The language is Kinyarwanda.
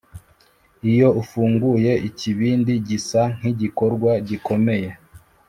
iyo ufunguye ikibindi gisa nkigikorwa gikomeye,